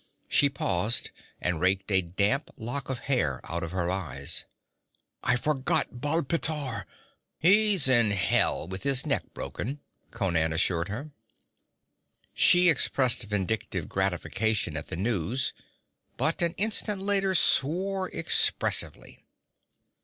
She paused and raked a damp lock of hair out of her eyes. 'I forgot Baal pteor!' 'He's in hell with his neck broken,' Conan assured her. She expressed vindictive gratification at the news, but an instant later swore expressively.